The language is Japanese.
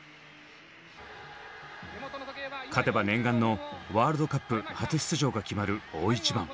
勝てば念願のワールドカップ初出場が決まる大一番。